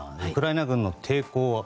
ウクライナ軍の抵抗